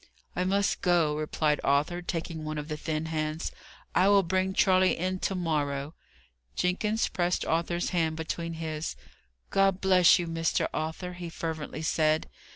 "I must go," replied Arthur, taking one of the thin hands. "I will bring Charley in to morrow." Jenkins pressed Arthur's hand between his. "God bless you, Mr. Arthur," he fervently said.